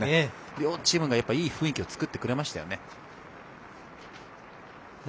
両チームがいい雰囲気を作ってくれましたよね。